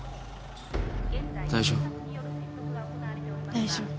大丈夫？